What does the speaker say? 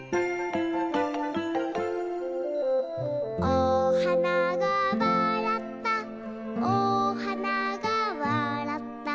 「おはながわらったおはながわらった」